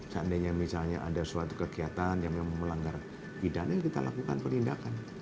seandainya misalnya ada suatu kegiatan yang memang melanggar pidana kita lakukan penindakan